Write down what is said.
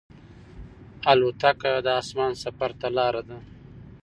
الوتکه د اسمان سفر ته لاره ده.